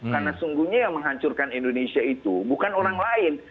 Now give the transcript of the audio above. karena sungguhnya yang menghancurkan indonesia itu bukan orang lain